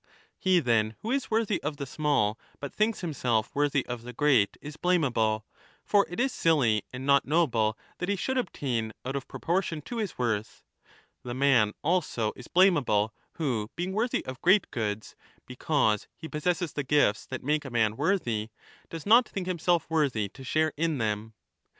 He then who is worthy of the small but thinks himself worthy of the great is blameable ; for it is silly and not noble that he should obtain out of proportion to his worth: the man also is blameable who being worthy of great goods, because he possesses the gifts that make a man worthy, does not think himself worthy to share in them.